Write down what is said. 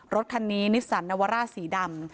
รถคันนี้นิสสันนาวาร่าสีดำ